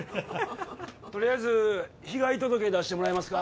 とりあえず被害届出してもらえますか？